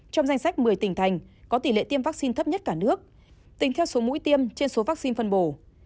trong danh sách một mươi tỉnh thành có tỷ lệ tiêm vaccine thấp nhất cả nước tính theo số mũi tiêm trên số vaccine phân bổ